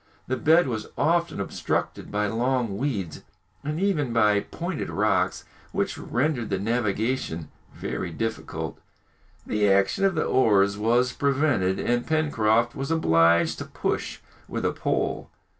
The bed was often obstructed by long weeds, and even by pointed rocks, which rendered the navigation very difficult. The action of the oars was prevented, and Pencroft was obliged to push with a pole.